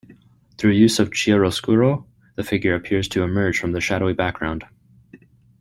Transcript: Through use of chiaroscuro, the figure appears to emerge from the shadowy background.